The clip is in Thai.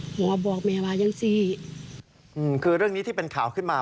หมอบอกแม่ว่ายังสิอืมคือเรื่องนี้ที่เป็นข่าวขึ้นมา